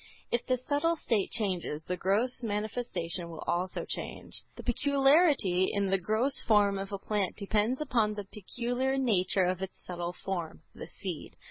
If the subtle state changes, the gross manifestation will also change. The peculiarity in the gross form of a plant depends upon the peculiar nature of its subtle form, the seed.